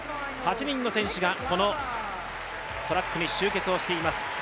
８人の選手がこのトラックに集結しています。